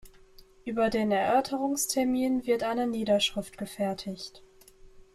Über den Erörterungstermin wird eine Niederschrift gefertigt.